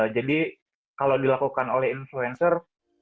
jadi kalau dilakukan oleh influencer